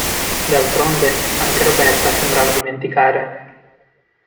D'altronde anche Roberta sembrava dimenticare.